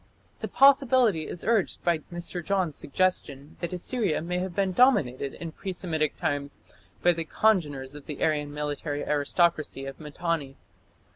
The possibility is urged by Mr. Johns's suggestion that Assyria may have been dominated in pre Semitic times by the congeners of the Aryan military aristocracy of Mitanni.